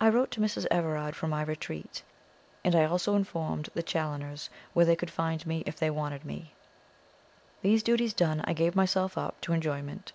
I wrote to Mrs. Everard from my retreat, and I also informed the Challoners where they could find me if they wanted me. These duties done, I gave myself up to enjoyment.